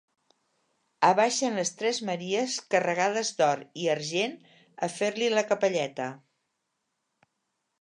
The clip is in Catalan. Abaixen les tres Maries carregades d’or i argent a fer-li la capelleta.